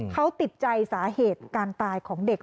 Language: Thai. เขาติดใจสาเหตุการตายของเด็ก